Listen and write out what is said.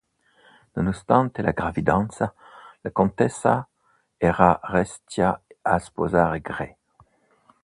Nonostante la gravidanza, la contessa era restia a sposare Gray.